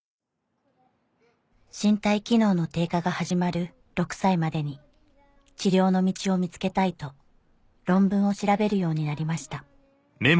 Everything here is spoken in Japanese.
身体機能の低下が始まる６歳までに治療の道を見つけたいと論文を調べるようになりました